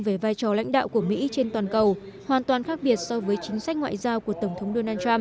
về vai trò lãnh đạo của mỹ trên toàn cầu hoàn toàn khác biệt so với chính sách ngoại giao của tổng thống donald trump